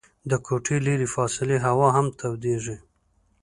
د کوټې لیري فاصلې هوا هم تودیږي.